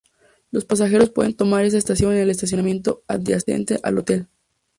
Los pasajeros pueden tomar esta estación en el estacionamiento adyacente al hotel.